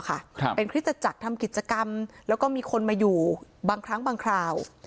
ครับเป็นคริสตจักรทำกิจกรรมแล้วก็มีคนมาอยู่บางครั้งบางคราว